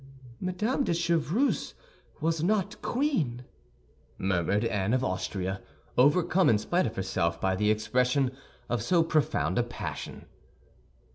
"Madame de Chevreuse was not queen," murmured Anne of Austria, overcome, in spite of herself, by the expression of so profound a passion.